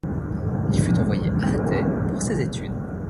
Il fut envoyé à Athènes pour ses études.